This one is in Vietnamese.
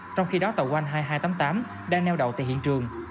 trong khi đó tàu one high hai trăm tám mươi tám đang neo đầu tại hiện trường